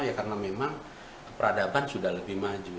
ya karena memang peradaban sudah lebih maju